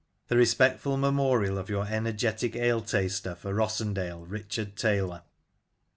The respectful Memorial of your ener getic Ale Taster for Rossendale, Richard Taylor.